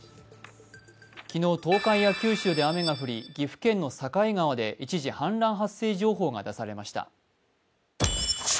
昨日、東海や九州で雨が降り岐阜県の境川で一時、氾濫発生情報が出されました